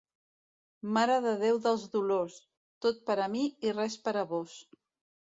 Mare de Déu dels Dolors: tot per a mi i res per a vós.